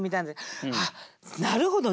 あっなるほど。